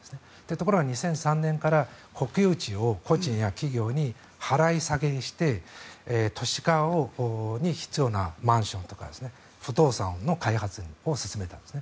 ところが２００３年から国有地を個人や企業に払い下げにして都市化に必要なマンションとか不動産の開発を進めたんです。